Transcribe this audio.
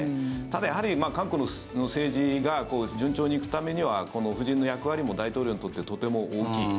ただやはり、韓国の政治が順調に行くためにはこの夫人の役割も大統領にとってとても大きい。